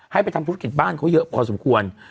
ให้ไปทำธุรกิจบ้านเขาเยอะพอสมควร